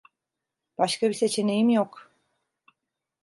Başka bir seçeneğim yok.